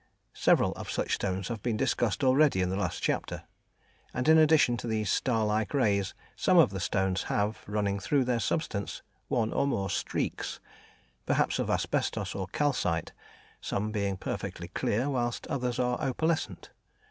Several of such stones have been discussed already in the last chapter, and in addition to these star like rays, some of the stones have, running through their substance, one or more streaks, perhaps of asbestos or calcite, some being perfectly clear, whilst others are opalescent.